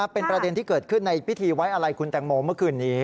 เป็นประเด็นที่เกิดขึ้นในพิธีไว้อะไรคุณแตงโมเมื่อคืนนี้